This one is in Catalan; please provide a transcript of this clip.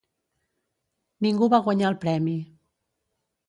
Ningú va guanyar el premi.